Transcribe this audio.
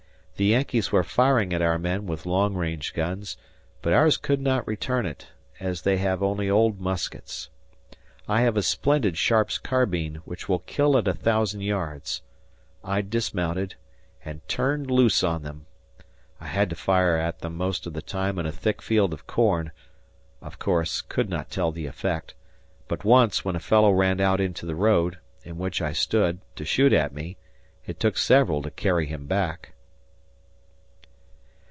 The Yankees were firing at our men with long range guns, but ours could not return it, as they have only old muskets. I have a splendid Sharp's carbine, which will kill at a thousand yards. I dismounted ... and turned loose on them. ... I had to fire at them most of the time in a thick field of corn, of course, could not tell the effect, but once, when a fellow ran out into the road (in which I stood) to shoot at me, it took several to carry him back.